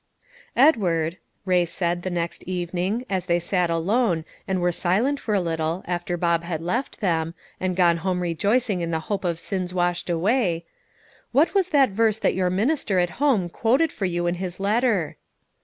"Edward," Ray said the next evening, as they sat alone, and were silent for a little, after Bob had left them, and gone home rejoicing in the hope of sins washed away, "what was that verse that your minister at home quoted for you in his letter?"